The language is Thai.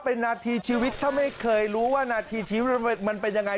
เป็นนาทีชีวิตถ้าไม่เคยรู้ว่านาทีชีวิตมันเป็นยังไง